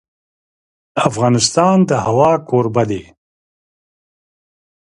افغانستان د هوا کوربه دی.